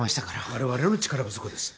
我々の力不足です。